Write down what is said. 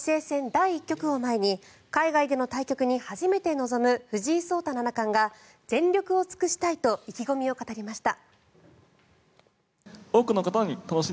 第１局を前に海外での対局に初めて臨む藤井聡太七冠が全力を尽くしたいと意気込みを語りました。